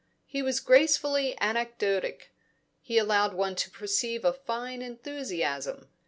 He was gracefully anecdotic; he allowed one to perceive a fine enthusiasm.